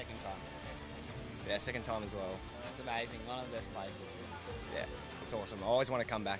ini luar biasa salah satu tempat terbaik